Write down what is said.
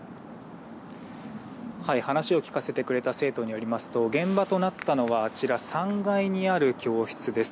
話を聞かせてくれた生徒によりますと現場となったのはあちら３階にある教室です。